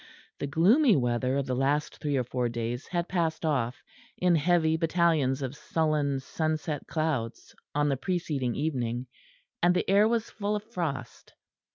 The gloomy weather of the last three or four days had passed off in heavy battalions of sullen sunset clouds on the preceding evening, and the air was full of frost.